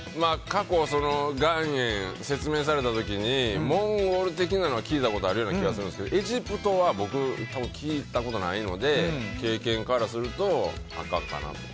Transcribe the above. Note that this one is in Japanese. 過去、岩塩、説明された時にモンゴル的なのは聞いたことあるような気がするんですけどエジプトは僕多分、聞いたことないので経験からすると、赤かなと。